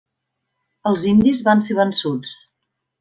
Els indis van ser vençuts.